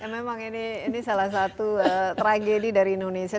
memang ini salah satu tragedi dari indonesia